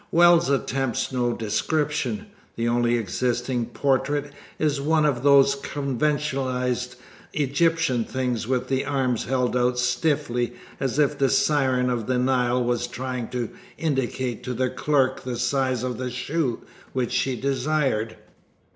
Wells attempts no description. The only existing portrait is one of those conventionalized Egyptian things with the arms held out stiffly as if the siren of the Nile was trying to indicate to the clerk the size of the shoe which she desired.